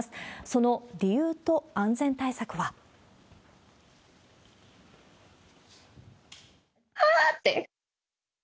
その理由と安全対策は。わー！って。